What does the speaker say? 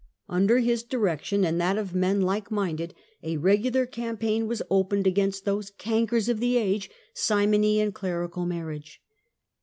Under his direction, and that of men like minded, a regular campaign was opened against those " cankers " of the age, simony and clerical marriage.